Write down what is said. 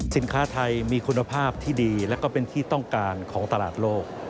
สินค้าไทยมีคุณภาพที่ดีและก็เป็นที่ต้องการของตลาดโลก